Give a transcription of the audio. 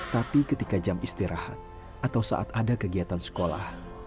tapi ketika jam istirahat atau saat ada kegiatan sekolah